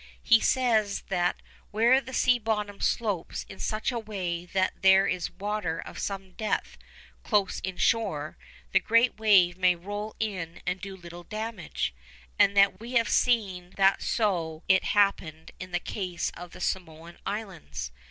He says that where the sea bottom slopes in such a way that there is water of some depth close in shore, the great wave may roll in and do little damage; and we have seen that so it happened in the case of the Samoan Islands.